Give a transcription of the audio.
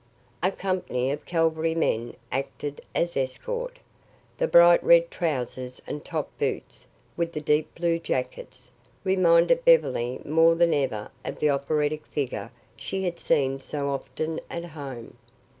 A company of cavalrymen acted as escort. The bright red trousers and top boots, with the deep blue jackets, reminded Beverly more than ever of the operatic figures she had seen so often at home.